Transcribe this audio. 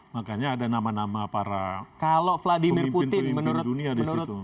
makanya ada nama nama para pemimpin dunia di situ